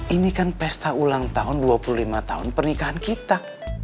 ini kan pesta ulang tahun dua puluh lima tahun pernikahan kita